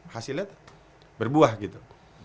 hasilnya berbuah gitu